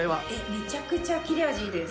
めちゃくちゃ切れ味いいです。